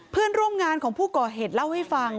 เพื่อนร่วมงานของผู้ก่อเหตุเล่าให้ฟัง